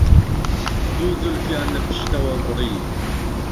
دوو زولفيان له پشتهوه بڕی